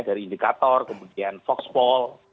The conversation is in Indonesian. dari indikator kemudian foxpol